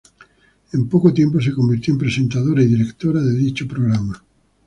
En poco tiempo se convirtió en presentadora y directora de dicho programa.